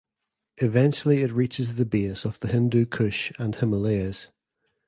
Eventually it reaches the base of the Hindu Kush and Himalayas.